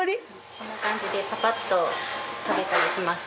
こんな感じでパパッと食べたりします。